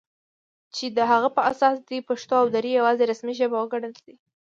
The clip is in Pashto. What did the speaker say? چې د هغه په اساس دې پښتو او دري یواځې رسمي ژبې وګڼل شي